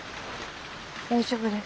大丈夫です。